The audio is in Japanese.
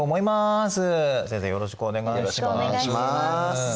よろしくお願いします。